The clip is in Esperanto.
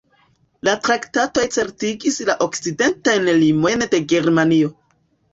La traktatoj certigis la okcidentajn limojn de Germanio.